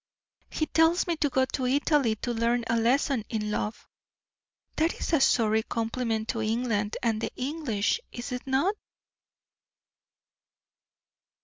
"He tells me to go to Italy to learn a lesson in love. That is a sorry compliment to England and the English, is it not?"